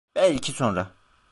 Belki sonra.